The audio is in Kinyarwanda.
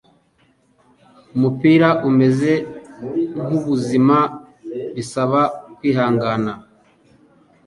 Umupira umeze nk'ubuzima, bisaba kwihangana,